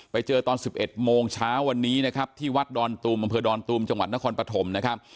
ไปเจอตอน๑๑โมงเช้าวันนี้นะครับที่วัดดอนตูมอำเภอดอนตูมจังหวัดนครปฐมนะครับ